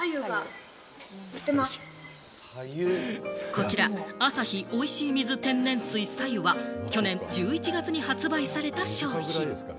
こちら「アサヒおいしい水天然水白湯」は去年１１月に発売された商品。